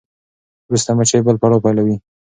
وروسته مچۍ بل پړاو پیلوي.